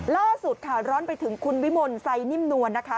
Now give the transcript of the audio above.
ล่าสุดค่ะร้อนไปถึงคุณวิมลไซนิ่มนวลนะคะ